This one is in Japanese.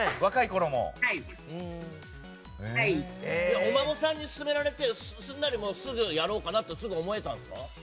お孫さんに勧められてすんなりやろうとすぐ思えたんですか？